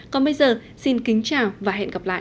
còn bây giờ xin kính chào và hẹn gặp lại